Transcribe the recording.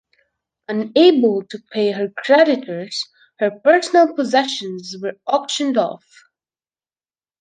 Unable to pay her creditors, her personal possessions were auctioned off.